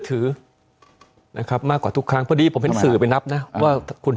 ถือนะครับมากกว่าทุกครั้งพอดีผมเห็นสื่อไปนับนะว่าคุณ